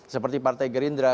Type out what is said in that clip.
seperti partai gerindra